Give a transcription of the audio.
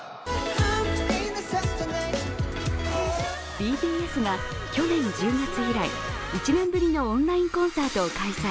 ＢＴＳが去年１０月以来１年ぶりのオンラインコンサートを開催。